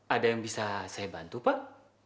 ada yang bisa saya bantu pak